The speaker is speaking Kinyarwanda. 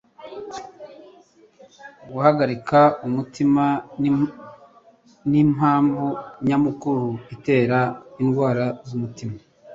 Guhagarika umutima nimpamvu nyamukuru itera indwara z'umutima.